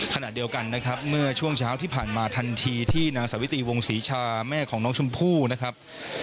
ขณะเดียวกันนะครับเมื่อช่วงเช้าที่ผ่านมาทันทีที่นางสาวิตรีวงศรีชาแม่ของน้องชมพู่นะครับ